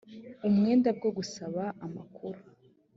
umwenda bwo gusaba amakuru